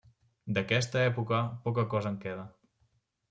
D'aquesta època poca cosa en queda.